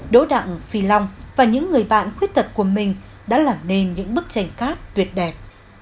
đỗ đặng phi long và những người bạn khuyết tật của mình đã làm nên những bức tranh cát tuyệt đẹp